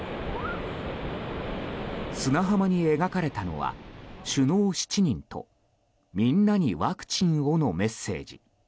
砂浜に描かれたのは首脳７人とみんなにワクチンをのメッセージ。